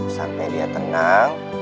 sampai dia tenang